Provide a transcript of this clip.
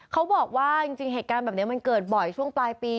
เขาบอกว่าจริงเหตุการณ์แบบนี้มันเกิดบ่อยช่วงปลายปี